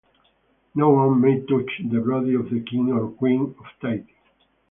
No one may touch the body of the king or queen of Tahiti.